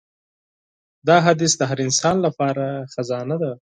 دا حدیث د هر انسان لپاره خزانه ده.